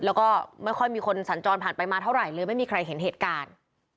แล้วก็ไม่ค่อยมีคนสัญจรผ่านไปมาเท่าไหร่เลยไม่มีใครเห็นเหตุการณ์